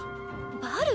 バル。